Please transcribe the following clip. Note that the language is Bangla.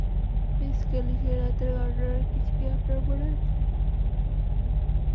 মিস কেলি, সে রাতের ঘটনার কিছু কি আপনার মনে আছে?